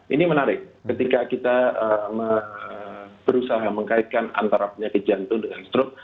ini menarik ketika kita berusaha mengkaitkan antara penyakit jantung dengan strok